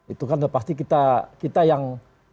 itu kan sudah pasti kita yang